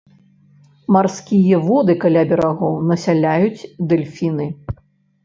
Марскія воды каля берагоў насяляюць дэльфіны.